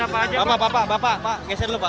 bapak bapak bapak pak geser dulu pak